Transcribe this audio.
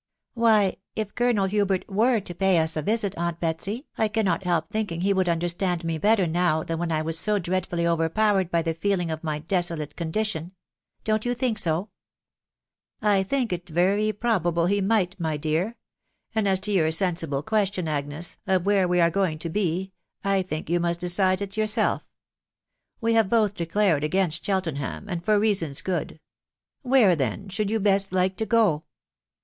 " Why, if Colonel Hubert were to pay us a visit, aunt Betsy, I cannot Kelp thinking he would: understand me better now than when I was so dreadfully overpowered by the feeling of my desolate condition Don't you think so ?" tc I think it very probable he might,, my dear ;...• and aa to your sensible question, Agnes, of where we are going to be, 1 think you must decide it yourself. We have both declared against Cheltenham, and for reasons good .... Where then should you best like to go